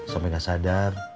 sampai gak sadar